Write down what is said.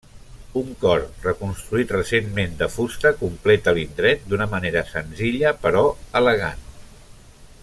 Un cor, reconstruït recentment de fusta, completa l'indret d'una manera senzilla, però elegant.